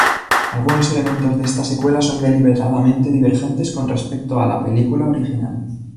Algunos elementos de esta secuela son deliberadamente divergentes con respecto ala película original.